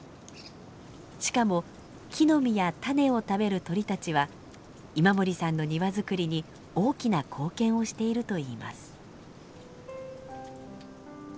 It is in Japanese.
しかも木の実や種を食べる鳥たちは今森さんの庭づくりに大きな貢献をしているといいます。